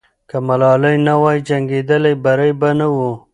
که ملالۍ نه وای جنګېدلې، بری به نه وو.